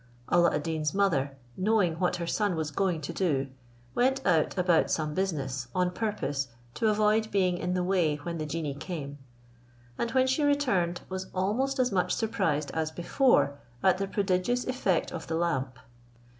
Alla ad Deen's mother, knowing what her son was going to do, went out about some business, on purpose to avoid being in the way when the genie came; and when she returned, was almost as much surprised as before at the prodigious effect of the lamp.